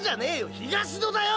東戸だよ！